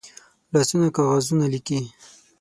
لاسونه کاغذونه لیکي